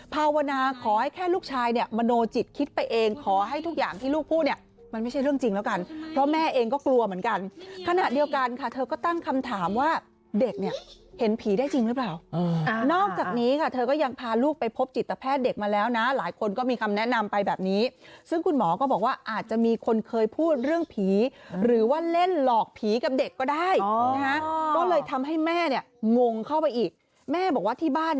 พูดเนี่ยมันไม่ใช่เรื่องจริงแล้วกันเพราะแม่เองก็กลัวเหมือนกันขณะเดียวกันค่ะเธอก็ตั้งคำถามว่าเด็กเนี่ยเห็นผีได้จริงหรือเปล่านอกจากนี้ค่ะเธอก็ยังพาลูกไปพบจิตแพทย์เด็กมาแล้วนะหลายคนก็มีคำแนะนำไปแบบนี้ซึ่งคุณหมอก็บอกว่าอาจจะมีคนเคยพูดเรื่องผีหรือว่าเล่นหลอกผีกับเด็กก็ได้ก็เลยทำ